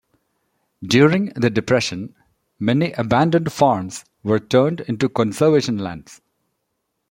During the Depression many abandoned farms were turned into conservation lands.